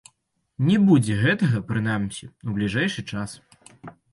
Не будзе гэтага, прынамсі, у бліжэйшы час.